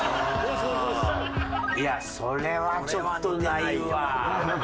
いやそれはちょっとないわ。